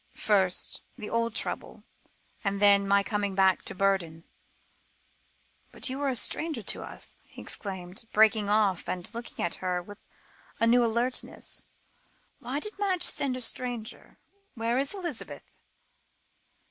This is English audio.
First, the old trouble; and then, my coming back to burden But you are a stranger to us," he exclaimed, breaking off and looking at her with a new alertness; "why did Madge send a stranger? Where is Elizabeth?"